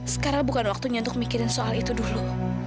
sekarang bukan waktunya untuk mikirin soal itu dulu